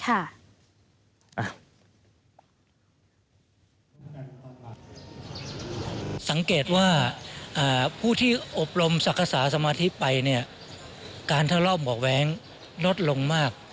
ก็สังเกตว่าผู้ที่อบรมศักยศาสนาธิไปไงการทราบบอกแวงรถลงมาก